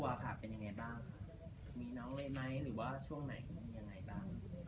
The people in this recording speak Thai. แผ่นครอบครัวภาพเป็นยังไงบ้างมีน้องเลยไหมหรือว่าช่วงไหนยังไงบ้าง